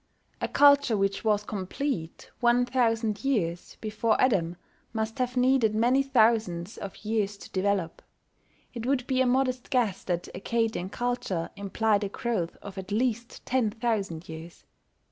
A culture which was complete one thousand years before Adam must have needed many thousands of years to develop. It would be a modest guess that Accadian culture implied a growth of at least ten thousand years.